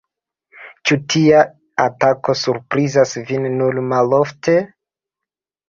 Ĉu tia atako surprizas vin nur malofte?